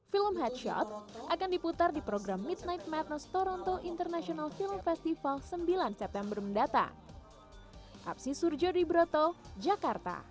film headshot akan diputar di program midnight matnus toronto international film festival sembilan september mendatang